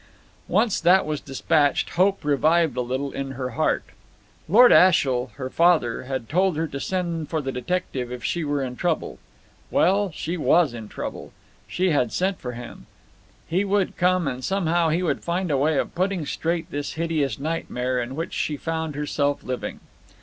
Once that was dispatched, hope revived a little in her heart. Lord Ashiel, her father, had told her to send for the detective if she were in trouble. Well, she was in trouble; she had sent for him; he would come, and somehow he would find a way of putting straight this hideous nightmare in which she found herself living.